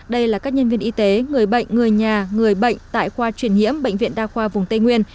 đây là các nhân viên y tế người bệnh người nhà người bệnh tại khoa truyền nhiễm bệnh viện đa khoa vùng tây nguyên